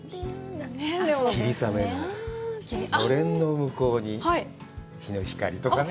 霧雨ののれんの向こうに日の光とかね。